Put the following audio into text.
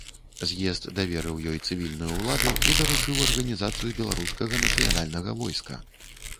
З'езд даверыў ёй цывільную ўладу і даручыў арганізацыю беларускага нацыянальнага войска.